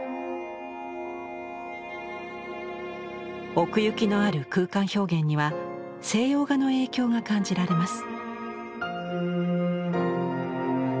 奥行きのある空間表現には西洋画の影響が感じられます。